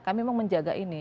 kami mau menjaga ini